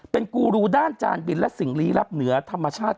เป็นกูรูด้านจานบินและสิ่งลี้ลับเหนือธรรมชาติ